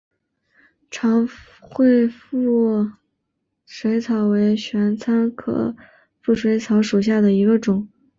长穗腹水草为玄参科腹水草属下的一个种。